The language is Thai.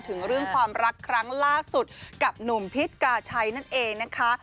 ถึงเรื่องความรักครั้งล่าสุดกับหนุ่มพิษกาชัยนั่นเองนะคะ